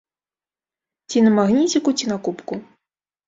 Ці на магніціку, ці на кубку.